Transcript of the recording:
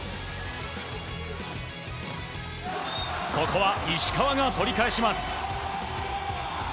ここは石川が取り返します。